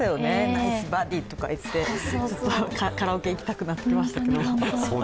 ナイスバディとかいって、カラオケ行きたくなってきました。